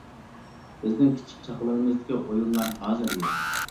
بىزنىڭ كىچىك چاغلىرىمىزدىكى ئويۇنلار ھازىر يوق.